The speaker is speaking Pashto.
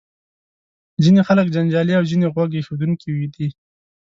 ځینې خلک جنجالي او ځینې غوږ ایښودونکي دي.